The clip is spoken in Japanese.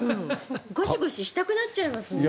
ゴシゴシしたくなっちゃいます。